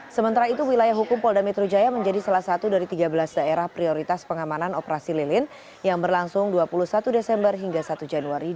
sementara itu wilayah hukum polda metro jaya menjadi salah satu dari tiga belas daerah prioritas pengamanan operasi lilin yang berlangsung dua puluh satu desember hingga satu januari dua ribu dua puluh